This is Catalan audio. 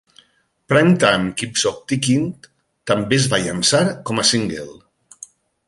Prime Time Keeps on Tickin també es va llançar com a single.